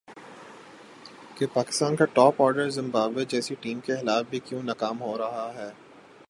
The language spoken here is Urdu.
کہ پاکستان کا ٹاپ آرڈر زمبابوے جیسی ٹیم کے خلاف بھی کیوں ناکام ہو رہا ہے